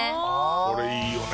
これいいよね。